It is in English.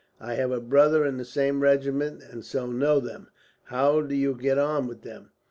"I have a brother in the same regiment, and so know them. How do you get on with them?"